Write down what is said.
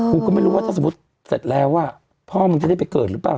กูก็ไม่รู้ว่าถ้าสมมุติเสร็จแล้วพ่อมึงจะได้ไปเกิดหรือเปล่า